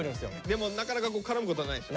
でもなかなか絡むことはないでしょ？